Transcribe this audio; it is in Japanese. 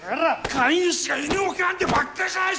飼い主が犬を噛んでばっかりじゃないっすか！